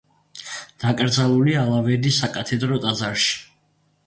დაკრძალულია ალავერდის საკათედრო ტაძარში.